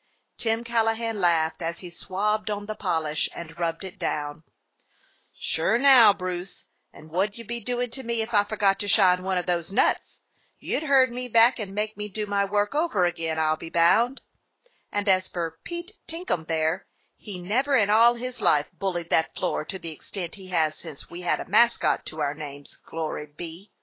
Tim Callahan laughed, as he swabbed on the polish and rubbed it down: "Sure now, Bruce, and what 'd you be doing to me if I forgot to shine one of those nuts? You 'd herd me back and make me do my work over again, I 'll be bound. And as for Pete Tinkum there, he never in all his life bullied that floor to the extent he has since we had a mascot to our names, glory be!